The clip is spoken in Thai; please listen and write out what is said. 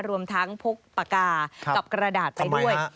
รวมทั้งพกปากกากับกระดาษไปด้วย